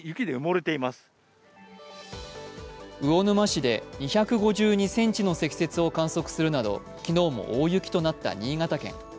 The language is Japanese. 魚沼市で２５２ｃｍの積雪を観測するなど昨日も大雪となった新潟県。